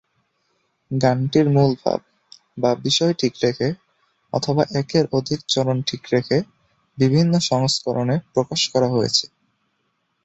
গানটির মূলভাব/বিষয় ঠিক রেখে অথবা একের অধিক চরণ ঠিক রেখে বিভিন্ন সংস্করণে প্রকাশ করা হয়েছে।